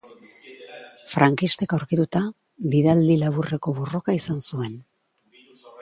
Frankistek aurkituta, bidaldi laburreko borroka izan zuen.